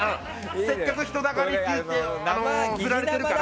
せっかく人だかりって振られてるから。